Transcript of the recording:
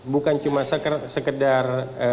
bukan cuma sekedar